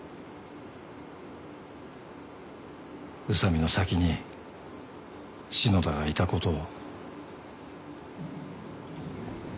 宇佐美の先に篠田がいたことを。